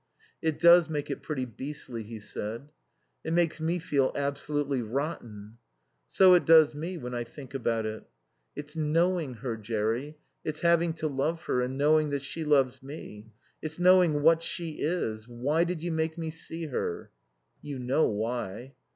"It does make it pretty beastly," he said. "It makes me feel absolutely rotten." "So it does me, when I think about it." "It's knowing her, Jerry. It's having to love her, and knowing that she loves me; it's knowing what she is.... Why did you make me see her?" "You know why."